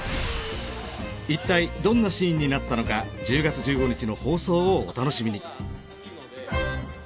いったいどんなシーンになったのか１０月１５日の放送をお楽しみに。